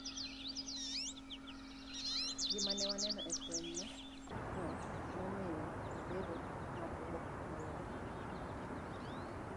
Gima ne waneno e fwenyno nomiyo wabedo mobuok moloyo.